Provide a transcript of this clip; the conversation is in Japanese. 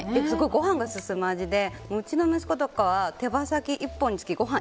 ご飯が進む味でうちの息子とかは手羽先１個につきご飯